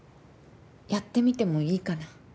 やってみてもいいかな？